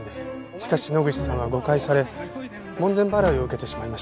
しかし野口さんは誤解され門前払いを受けてしまいました。